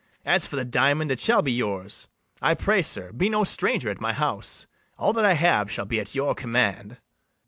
As for the diamond, it shall be yours: I pray, sir, be no stranger at my house; All that I have shall be at your command.